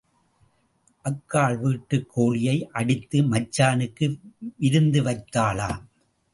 அக்காள் வீட்டுக் கோழியை அடித்து மச்சானுக்கு விருந்து வைத்தாளாம்.